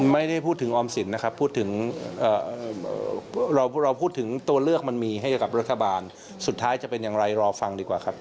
ไม่ได้พูดถึงออมสินนะครับพูดถึงเราพูดถึงตัวเลือกมันมีให้กับรัฐบาลสุดท้ายจะเป็นอย่างไรรอฟังดีกว่าครับ